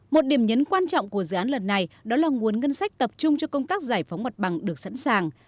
một điểm nhấn quan trọng của dự án lần này đó là nguồn ngân sách tập trung cho công tác giải phóng mặt bằng được sẵn sàng